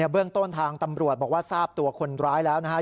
เบื้องต้นทางตำรวจบอกว่าทราบตัวคนร้ายแล้วนะครับ